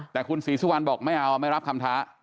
แต่คุณศรีสุวรรณบอกไม่เอาไม่รับคำท้า